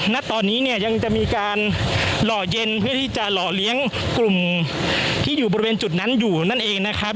ณตอนนี้เนี่ยยังจะมีการหล่อเย็นเพื่อที่จะหล่อเลี้ยงกลุ่มที่อยู่บริเวณจุดนั้นอยู่นั่นเองนะครับ